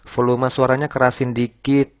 volume suaranya kerasin dikit